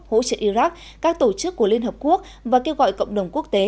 hỗ trợ iraq các tổ chức của liên hợp quốc và kêu gọi cộng đồng quốc tế